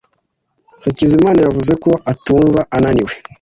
Hakizimana yavuze ko atumva ananiwe.